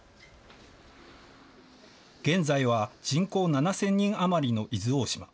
現在は人口７０００人余りの伊豆大島。